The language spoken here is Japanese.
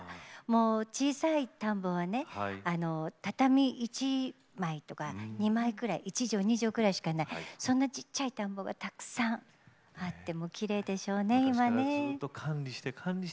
小さい田んぼはね畳、一畳、二畳ぐらいしかないそんなちっちゃい田んぼがたくさんあってきれいでしょうね、今ね。